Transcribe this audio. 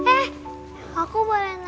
eh aku boleh nanya